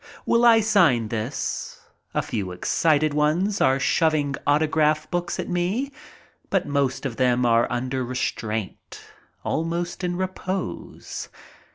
Will I sign this ? A few excited ones are shoving autograph books at me, but most of them are under restraint, almost in repose.